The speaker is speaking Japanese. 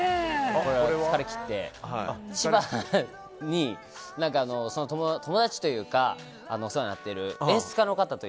これは疲れきって千葉に友達というかお世話になっている演出家の方と。